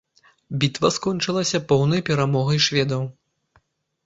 Бітва скончылася поўнай перамогай шведаў.